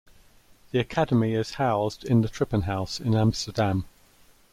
The Academy is housed in the Trippenhuis in Amsterdam.